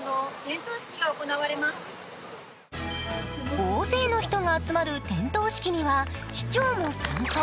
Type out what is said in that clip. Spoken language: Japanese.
大勢の人が集まる点灯式には市長も参加。